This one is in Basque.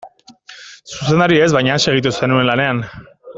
Zuzendari ez, baina han segitu zenuen lanean.